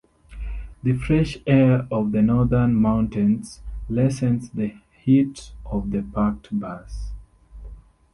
The fresh air of the northern mountains lessens the heat of the packed bus.